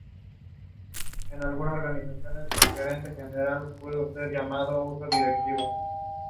‘Impossible,’ replied Mr. Pickwick.